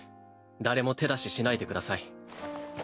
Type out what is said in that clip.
誰も手出ししないでください。